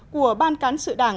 của ban cán sự đảng